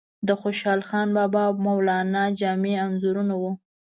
د خوشحال بابا، مولانا جامی انځورونه وو.